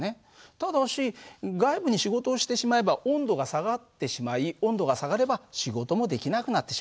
ただし外部に仕事をしてしまえば温度が下がってしまい温度が下がれば仕事もできなくなってしまう。